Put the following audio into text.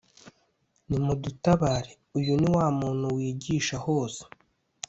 nimudutabare Uyu ni wa muntu wigisha hose